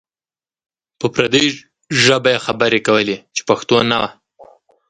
په پردۍ ژبه یې خبرې کولې چې پښتو نه وه.